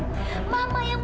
mama yang melahirkan kamu